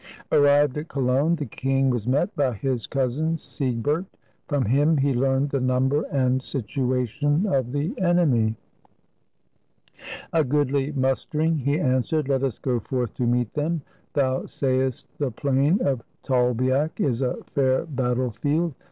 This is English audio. Arrived at Cologne, the king was met by his cousin Siegbert. From him he learned the number and situation of the enemy. "A goodly mustering," he answered; " let us go forth to meet them. Thou sayest the plain of Tolbiac is a fair battle field.